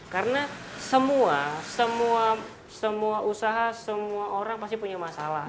karena semua semua usaha semua orang pasti punya masalah